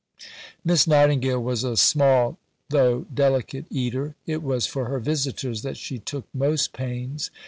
Miss Nightingale was a small, though delicate, eater; it was for her visitors that she took most pains.